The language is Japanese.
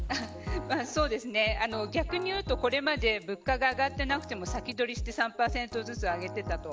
逆にいうとこれまで物価が上がってなくても先取りして３％ずつ上げていたと。